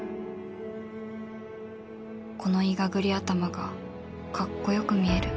このいがぐり頭がかっこよく見える